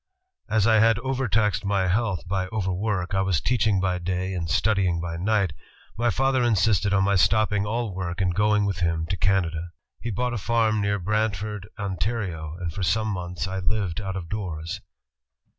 As I had overtaxed my own health by overwork — I was teaching by day and studying by night — my father insisted on my stopping all work and going with him to Canada. He bought a farm near Brantford, Ontario, and for some months I lived out of doors."